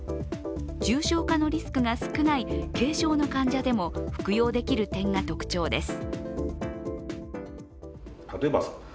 重症化のリスクが少ない軽症の患者でも服用できる点が特徴です。